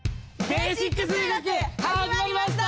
「ベーシック数学」始まりました！